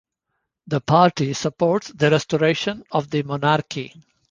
The party supports the restoration of the monarchy.